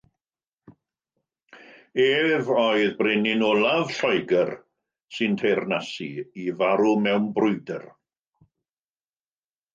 Ef oedd Brenin olaf Lloegr sy'n teyrnasu i farw mewn brwydr.